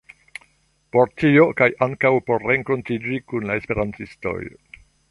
Por tio, kaj ankaŭ por renkontiĝi kun la esperantistoj